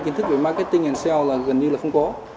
kiến thức về marketing and sell gần như là không có